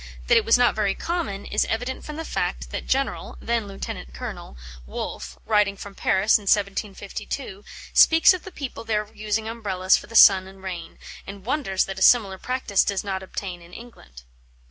That it was not very common, is evident from the fact that General (then Lieut. Colonel) Wolfe, writing from Paris in 1752, speaks of the people there using Umbrellas for the sun and rain, and wonders that a similar practice does not obtain in England.